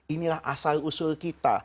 inilah asal usul kita